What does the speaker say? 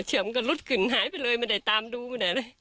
เฉยว่ามันก็รุดขึ้นหายไปเลยไม่ได้ตามดูกันแหละ